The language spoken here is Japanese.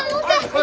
は